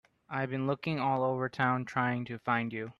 I've been looking all over town trying to find you.